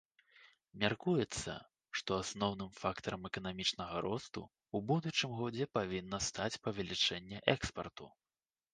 Мяркуецца, што асноўным фактарам эканамічнага росту ў будучым годзе павінна стаць павелічэнне экспарту.